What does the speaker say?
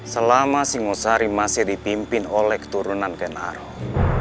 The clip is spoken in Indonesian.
selama singosari masih dipimpin oleh keturunan ken arok